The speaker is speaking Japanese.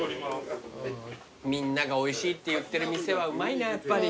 みんながおいしいって言ってる店はうまいなやっぱり。